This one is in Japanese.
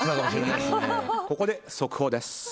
ここで、速報です。